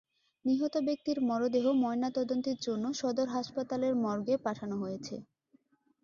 নিহত ব্যক্তির মরদেহ ময়নাতদন্তের জন্য সদর হাসপাতালের মর্গে পাঠানো হয়েছে।